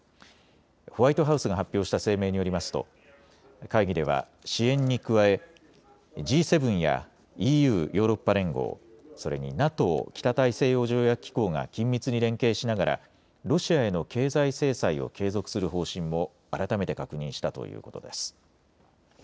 ホワイトハウスが発表した声明によりますと会議では支援に加えＧ７やＥＵ・ヨーロッパ連合、それにＮＡＴＯ・北大西洋条約機構が緊密に連携しながらロシアへの経済制裁を継続する方針も改めて確認したということです。